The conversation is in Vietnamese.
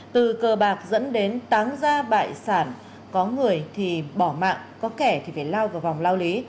từ cờ bạc dẫn đến tán ra bại sản có người thì bỏ mạng có kẻ thì phải lao vào vòng lao lý